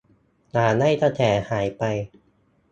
อย่าให้กระแสหายไป !